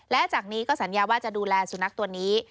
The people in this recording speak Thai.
และจากนี้ก็สัญญาว่าจะดูแลสุนัขตัวนี้